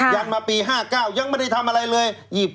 ันมาปี๕๙ยังไม่ได้ทำอะไรเลย